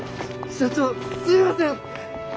社長すいません！